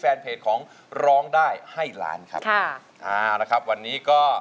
เพลงที่เจ็ดเพลงที่แปดแล้วมันจะบีบหัวใจมากกว่านี้